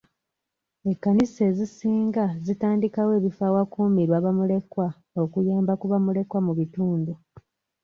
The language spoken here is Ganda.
Ekkanisa ezisinga zitandikawo ebifo awakuumirwa bamulekwa okuyamba ku bamulekwa mu bitundu.